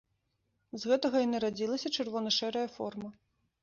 З гэтага і нарадзілася чырвона-шэрая форма.